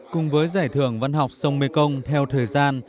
cùng với giải thưởng văn học sông mê công theo thời gian